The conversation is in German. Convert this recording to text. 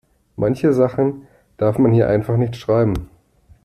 Manche Sachen darf man hier einfach nicht schreiben.